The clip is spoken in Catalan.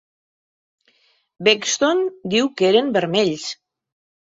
Bengston diu que eren vermells.